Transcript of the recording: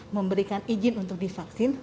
memberikan izin untuk divaksin